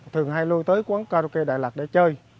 thường hay lôi tới quán karaoke đài lạt để chơi